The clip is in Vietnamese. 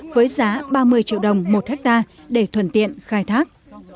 với giá ba mươi triệu đồng một hectare để thuần tiện khai thác